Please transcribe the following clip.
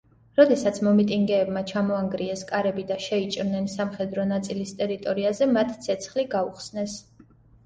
როდესაც მომიტინგეებმა ჩამოანგრიეს კარები და შეიჭრნენ სამხედრო ნაწილის ტერიტორიაზე მათ ცეცხლი გაუხსნეს.